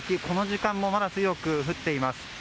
この時間でもまだ強く降っています。